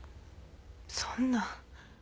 そんな。